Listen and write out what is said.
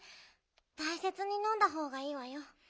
たいせつにのんだほうがいいわよ。